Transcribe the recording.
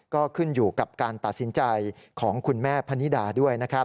ก็ขึ้นอยู่กับการตัดสินใจของคุณแม่พนิดาด้วยนะครับ